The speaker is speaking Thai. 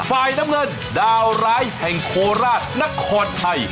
ฝ่ายน้ำเงินดาวร้ายแห่งโคราชนครไทย